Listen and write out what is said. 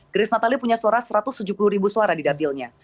grace natalia punya suara satu ratus tujuh puluh ribu suara di dapilnya